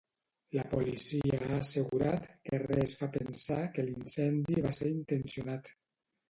La policia ha assegurat que res fa pensar que l’incendi va ser intencionat.